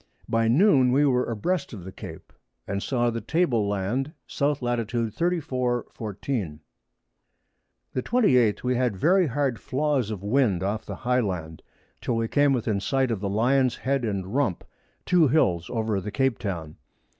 By Noon we were a breast of the Cape, and saw the Table Land S. Lat. 34. 14. The 28th We had very hard Flaws of Wind off the High Land, till we came within Sight of the Lions Head and Rump, two Hills over the Cape Toun.